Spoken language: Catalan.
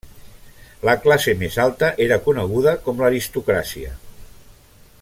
La classe més alta era coneguda com l'aristocràcia.